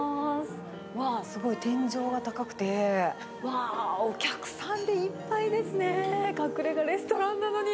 わー、すごい天井が高くて、わー、お客さんでいっぱいですね。隠れがレストランなのに。